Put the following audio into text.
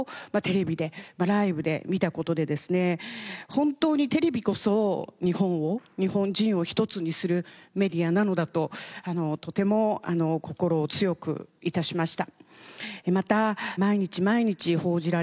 本当にテレビこそ日本を日本人を一つにするメディアなのだととても心を強く致しました。